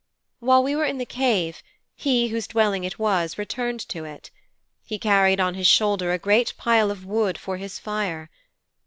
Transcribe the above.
'While we were in the cave, he whose dwelling it was, returned to it. He carried on his shoulder a great pile of wood for his fire.